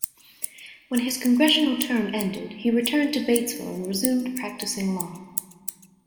When his congressional term ended, he returned to Batesville and resumed practicing law.